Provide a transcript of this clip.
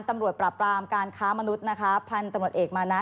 ตำรวจปราบรามการค้ามนุษย์นะคะพันธุ์ตำรวจเอกมานะ